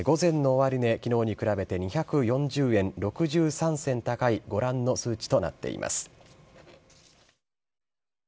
午前の終値、きのうに比べて２４０円６３銭高いご覧の数値となっています。